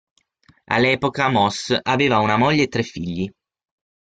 All'epoca Moss aveva una moglie e tre figli.